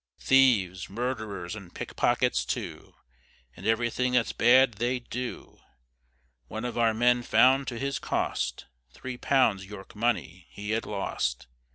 Thieves, murd'rers, and pickpockets too, And everything that's bad they'd do; One of our men found to his cost, Three pounds, York money, he had lost.